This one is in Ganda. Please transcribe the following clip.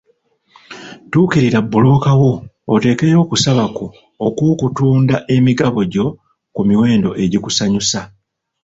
Tuukirira bbulooka wo, oteekeyo okusaba kwo okw'okutunda emigabo gyo ku miwendo egikusanyusa.